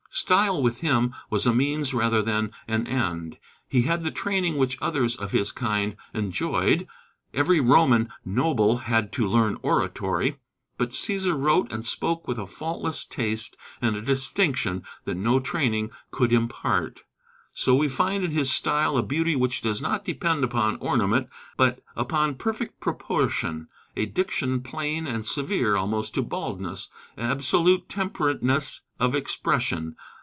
Style with him was a means rather than an end. He had the training which others of his kind enjoyed. Every Roman noble had to learn oratory. But Cæsar wrote and spoke with a faultless taste and a distinction that no training could impart. So we find in his style a beauty which does not depend upon ornament, but upon perfect proportion; a diction plain and severe almost to baldness; absolute temperateness of expression.